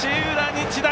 日大